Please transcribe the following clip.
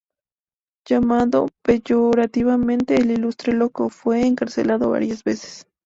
Llamado peyorativamente "El Ilustre Loco", fue encarcelado varias veces.